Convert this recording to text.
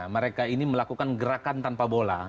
mereka ini melakukan gerakan tanpa bola